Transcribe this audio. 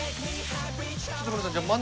ちょっとムロさんじゃ。